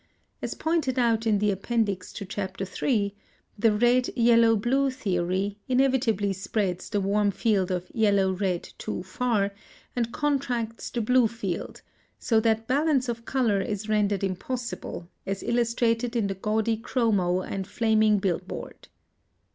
As pointed out in the Appendix to Chapter III., the "red yellow blue" theory inevitably spreads the warm field of yellow red too far, and contracts the blue field, so that balance of color is rendered impossible, as illustrated in the gaudy chromo and flaming bill board.